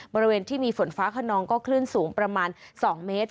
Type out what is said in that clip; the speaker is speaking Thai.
บริเวณที่มีฝนฟ้าขนองก็คลื่นสูงประมาณ๒เมตร